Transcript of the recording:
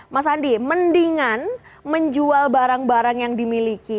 mas andi mendingan menjual barang barang yang dimiliki